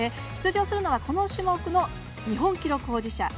出場するのはこの種目の日本記録保持者